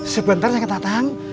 sebentar saya akan datang